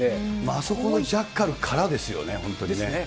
あそこのジャッカルからですですね。